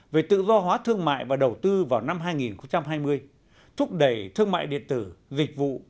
về tự do hóa thương mại và đầu tư vào năm hai nghìn hai mươi thúc đẩy thương mại điện tử dịch vụ